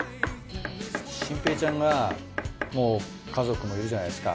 心平ちゃんがもう家族もいるじゃないですか。